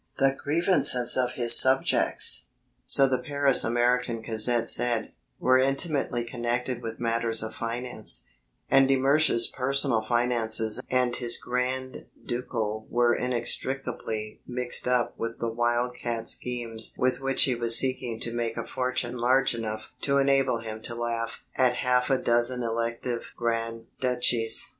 The grievances of his subjects so the Paris American Gazette said were intimately connected with matters of finance, and de Mersch's personal finances and his grand ducal were inextricably mixed up with the wild cat schemes with which he was seeking to make a fortune large enough to enable him to laugh at half a dozen elective grand duchies.